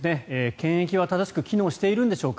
検疫は正しく機能しているんでしょうか。